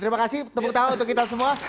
terima kasih tepuk tangan untuk kita semua